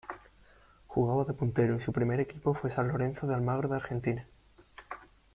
Jugaba de puntero y su primer equipo fue San Lorenzo de Almagro de Argentina.